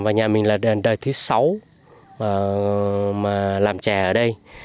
và nhà mình là đời thứ sáu mà làm chè ở đây